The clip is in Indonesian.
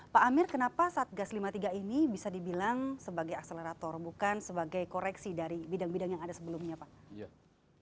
pak amir kenapa satgas lima puluh tiga ini bisa dibilang sebagai akselerator bukan sebagai koreksi dari bidang bidang yang ada sebelumnya pak